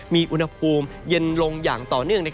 มีอุณหภูมิเย็นลงอย่างต่อเนื่อง